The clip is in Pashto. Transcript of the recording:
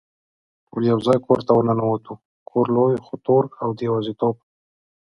ټول یو ځای کور ته ور ننوتو، کور لوی خو تور او د یوازېتوب.